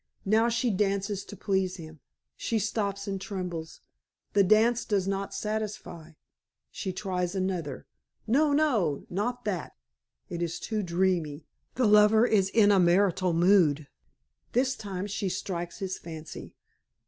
Now she dances to please him. She stops and trembles; the dance does not satisfy. She tries another. No! No! Not that! It is too dreamy the lover is in a martial mood. This time she strikes his fancy.